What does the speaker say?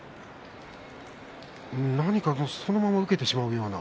何かそのまま受けてしまうような。